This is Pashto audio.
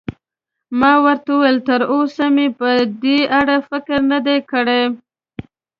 ما ورته وویل: تراوسه مې په دې اړه فکر نه دی کړی.